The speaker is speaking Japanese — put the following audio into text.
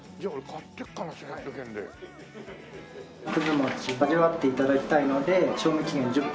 もち味わって頂きたいので賞味期限１０分。